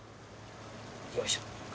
よいしょ。